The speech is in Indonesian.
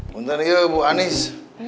bentar ya bu anies